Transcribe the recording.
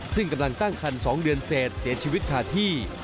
ซึ่งกำลังตั้งคัน๒เดือนเสร็จเสียชีวิตขาดที่